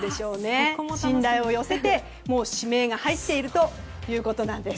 信頼を寄せて、指名が入っているということです。